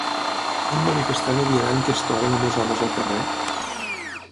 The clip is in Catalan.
Un manifestant o vianant que es trobin amb els amos al carrer?